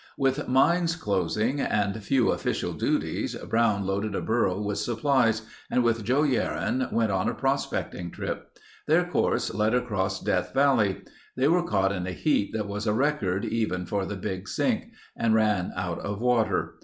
With mines closing and few official duties, Brown loaded a burro with supplies and with Joe Yerrin went on a prospecting trip. Their course led across Death Valley. They were caught in a heat that was a record, even for the Big Sink, and ran out of water.